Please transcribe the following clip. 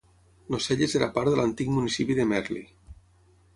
Nocelles era part de l'antic municipi de Merli.